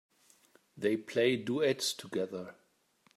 They play duets together.